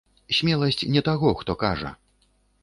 Смеласць не таго, хто кажа.